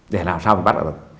để làm sao mà bắt được